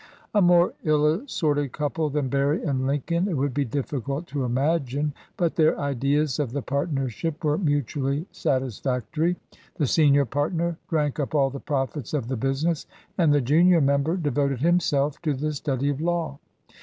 A more ill assorted couple than Berry and Lincoln it would be difficult to imagine but their ideas of the partnership were mutually satisfac tory. The senior partner drank up all the profits of the business, and the junior member devoted himself to the study of law.